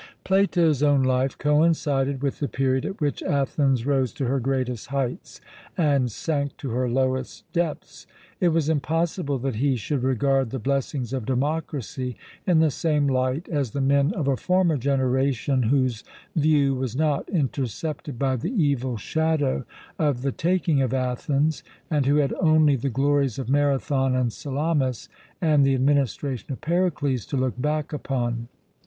Plato's own life coincided with the period at which Athens rose to her greatest heights and sank to her lowest depths. It was impossible that he should regard the blessings of democracy in the same light as the men of a former generation, whose view was not intercepted by the evil shadow of the taking of Athens, and who had only the glories of Marathon and Salamis and the administration of Pericles to look back upon.